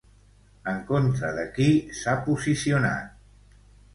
En contra de qui s'ha posicionat?